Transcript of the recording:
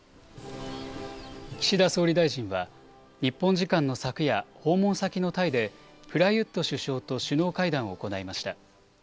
岸田総理大臣は、日本時間の昨夜、訪問先のタイで、プラユット首相と首脳会談を行いました。